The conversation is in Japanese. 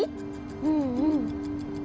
うんうん。